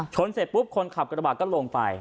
เสร็จปุ๊บคนขับกระบาดก็ลงไป